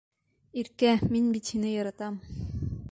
Иркә, мин бит һине яратам.